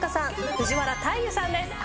藤原大祐さんです。